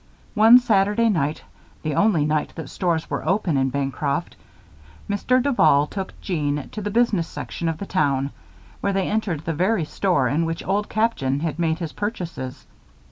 One Saturday night the only night that stores were open in Bancroft Mr. Duval took Jeanne to the business section of the town, where they entered the very store in which Old Captain had made his purchases.